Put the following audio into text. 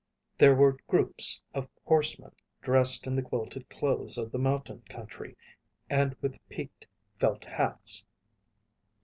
There were groups of horsemen, dressed in the quilted clothes of the mountain country and with peaked felt hats.